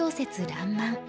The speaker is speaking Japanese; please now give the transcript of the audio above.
「らんまん」。